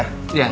ya silahkan pak